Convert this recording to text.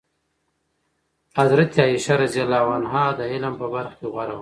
حضرت عایشه رضي الله عنها د علم په برخه کې غوره وه.